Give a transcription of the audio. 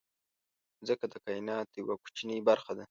مځکه د کایناتو یوه کوچنۍ برخه ده.